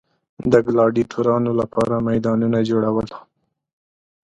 د ګلاډیټورانو لپاره میدانونه جوړول.